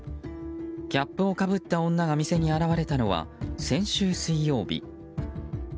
キャップをかぶった女が店に現れたのは、先週水曜日。